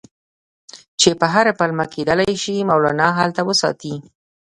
چې په هره پلمه کېدلای شي مولنا هلته وساتي.